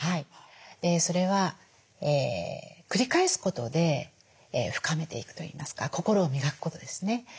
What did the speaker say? それは繰り返すことで深めていくといいますか心を磨くことですね。